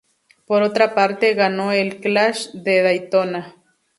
Por otra parte, ganó el Clash de Daytona.